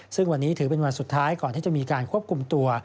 ซึ่งวันนี้ถือเป็นวันสุดท้ายก่อนที่จะมีการควบคุมตัว